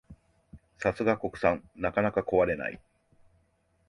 さすが国産、なかなか壊れない